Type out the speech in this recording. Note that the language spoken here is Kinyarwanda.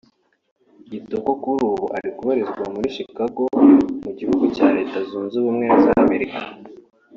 Kitoko kuri ubu uri kubarizwa muri Chicago mu gihugu cya Leta Zunze Ubumwe za Amerika